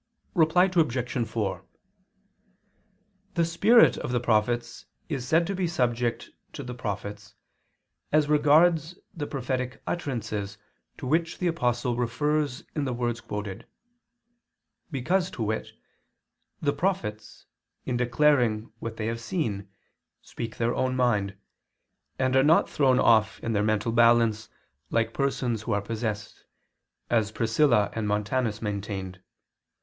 Reply Obj. 4: The spirit of the prophets is said to be subject to the prophets as regards the prophetic utterances to which the Apostle refers in the words quoted; because, to wit, the prophets in declaring what they have seen speak their own mind, and are not thrown off their mental balance, like persons who are possessed, as Priscilla and Montanus maintained.